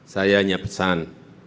saya hanya pesan